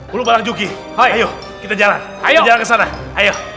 belum balik juga ayo kita jalan jalan kesana ayo